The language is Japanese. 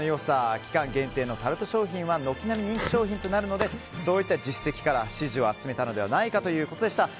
期間限定のタルト商品は軒並み人気商品となるのでそういった実績から支持を集めたのではないかということでした。